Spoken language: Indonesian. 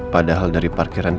padahal dari parkiran